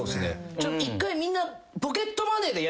一回みんな。